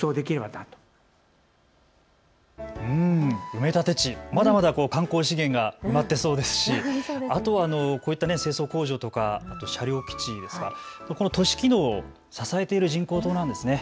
埋め立て地、まだまだ観光資源が埋まってそうですしあとはこういった清掃工場とか車両基地ですか、都市機能を支えている人工島なんですね。